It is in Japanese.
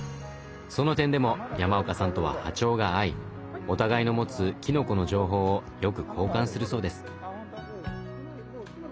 その点でも山岡さんとは波長が合いお互いの持つきのこの情報をよく交換するそうです。